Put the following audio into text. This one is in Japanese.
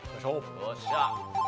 よっしゃ！